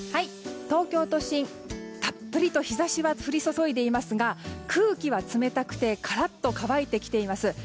東京都心たっぷりと日差しは降り注いでいますが空気は冷たくてカラッと乾いてきています。